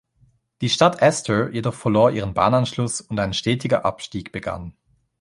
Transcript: Die Stadt Astor jedoch verlor ihren Bahnanschluss und ein stetiger Abstieg begann.